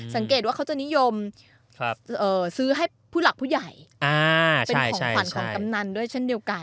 สังเกตว่าเขาจะนิยมซื้อให้ผู้หลักผู้ใหญ่เป็นของขวัญของกำนันด้วยเช่นเดียวกัน